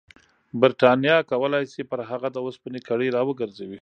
برټانیه کولای شي پر هغه د اوسپنې کړۍ راوګرځوي.